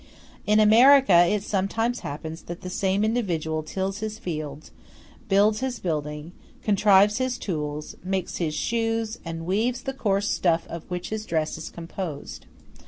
In America it sometimes happens that the same individual tills his field, builds his dwelling, contrives his tools, makes his shoes, and weaves the coarse stuff of which his dress is composed.